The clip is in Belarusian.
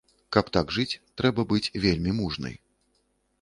Каб так жыць, трэба быць вельмі мужнай.